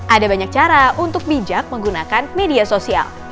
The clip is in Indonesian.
ada banyak cara untuk bijak menggunakan media sosial